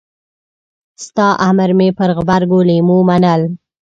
ستا امر مې پر غبرګو لېمو منل.